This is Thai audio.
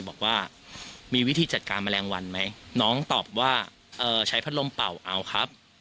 บอกว่ามีวิธีจัดการแมลงวันไหมน้องตอบว่าใช้พัดลมเป่าเอาครับ